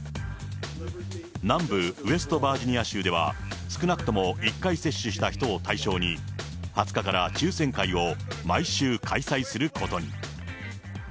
南部ウェストバージニア州では、少なくとも１回接種した人を対象に、２０日から抽せん会を毎週開催することに。